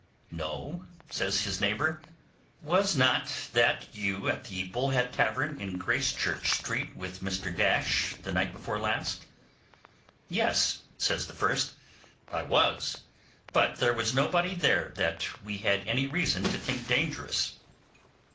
'No?' says his neighbour. 'Was not you at the Bull Head Tavern in Gracechurch Street with Mr—the night before last?' 'Yes,' says the first, 'I was; but there was nobody there that we had any reason to think dangerous.